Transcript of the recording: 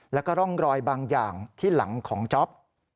แล้วก็ร่องรอยบางอย่างที่หลังของจ๊อป